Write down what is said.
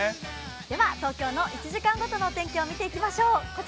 では東京の１時間ごとのお天気を見ていきましょう。